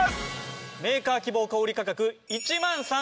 メーカー希望小売価格１万３２００円のところ。